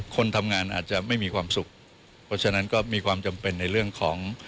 คนทำงานอาจจะไม่มีความสุขเพราะฉะนั้นก็มีความจำเป็นในเรื่องของ